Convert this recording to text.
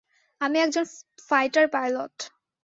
আমি একজন fighter pilot.